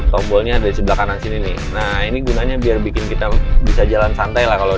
tombolnya ada di sebelah kanan sini nih nah ini gunanya biar bikin kita bisa jalan santai lah kalau